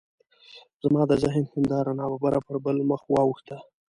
زما د ذهن هنداره ناببره پر بل مخ واوښته.